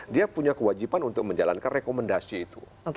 dia punya kewajiban untuk menjalankan rekomendasi itu